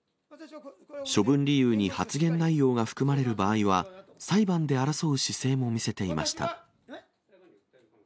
処分理由に発言内容が含まれる場合は、裁判で争う姿勢も見せていました。